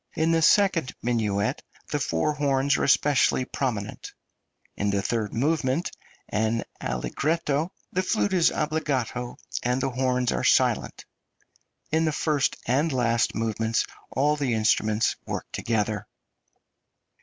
In the second minuet the four horns are especially prominent; in the third movement, an allegretto, the flute is obbligato and the horns are silent; in the first and last movements all the instruments work together.